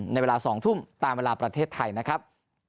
ในเวลา๒ทุ่มตามเวลาประเทศไทยนะครับ